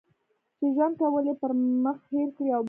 چې ژوند کول یې پر مخ هېر کړي او بس.